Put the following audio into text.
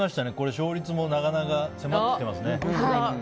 勝率もなかなか迫ってきていますね。